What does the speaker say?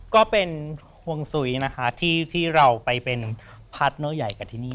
ก็เป็นห่วงซุ้ยนะคะที่เราไปเป็นพาร์ทเนอร์ใหญ่กับที่นี่